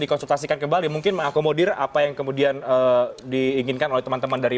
dikonsultasikan kembali mungkin mengakomodir apa yang kemudian diinginkan oleh teman teman dari